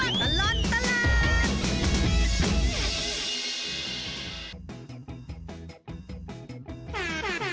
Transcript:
ช่วงตลอดตลาด